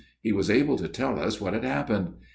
He was able to tell us what had happened.